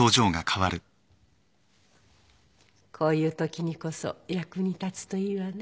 こういうときにこそ役に立つといいわね。